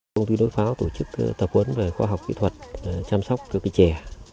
công ty núi pháo tổ chức tập huấn về khoa học kỹ thuật chăm sóc các cái trè